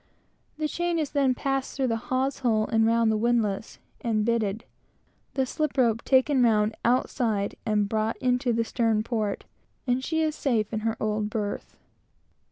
The chain is then passed through the hawse hole and round the windlass, and bitted, the slip rope taken round outside and brought into the stern port, and she is safe in her old berth.